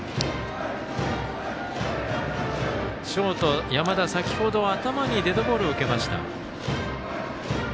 ショート、山田、先ほど頭にデッドボールを受けました。